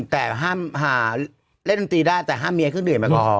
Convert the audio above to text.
แต่ห้ามเล่นดนตรีได้แต่ห้ามเมียเครื่องดื่มมาก่อน